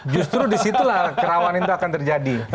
justru disitulah kerawanan itu akan terjadi